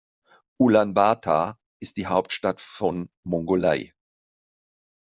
Ulaanbaatar ist die Hauptstadt von Mongolei.